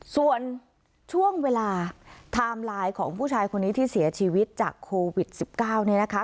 ส่วนช่วงเวลาของผู้ชายคนนี้ที่เสียชีวิตจากโควิดสิบเก้าเนี่ยนะคะ